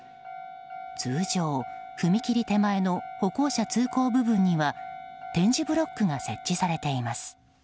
通常、踏切手前の歩行者通行部分には点字ブロックが設置されています。